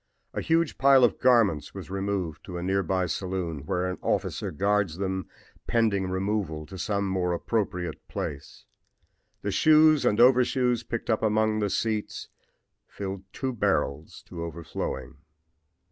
A huge pile of garments was removed to a near by saloon, where an officer guards them pending removal to some more appropriate place. The shoes and overshoes picked up among the seats fill two barrels to overflowing.